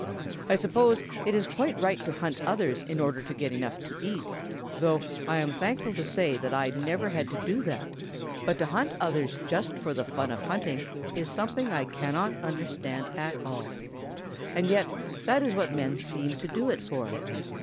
I suppose it is quite right to hunt others in order to get enough to eat, though I am thankful to say that I never have had to do that, but to hunt others just for the fun of hunting is something I cannot understand at all. And yet that is what men seem to do it for.